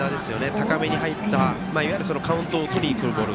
高めに入った、いわゆるカウントをとりにくるボール。